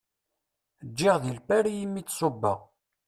Ǧǧiɣ di Lpari i mi d-ṣubbeɣ.